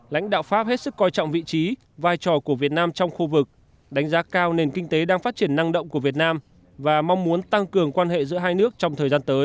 lãnh đạo pháp hết sức coi trọng vị trí vai trò của việt nam trong khu vực đánh giá cao nền kinh tế đang phát triển năng động của việt nam và mong muốn tăng cường quan hệ giữa hai nước trong thời gian tới